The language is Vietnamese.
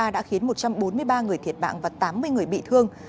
đã khiến một trăm bốn mươi ba người thiệt mạng và tám mươi người bị thương